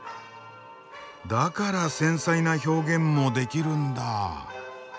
だから繊細な表現もできるんだあ。